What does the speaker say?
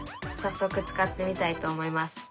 早速使ってみたいと思います。